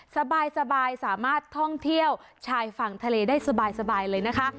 สบายสามารถท่องเที่ยวชายฝั่งทะเลได้สบายเลยนะคะ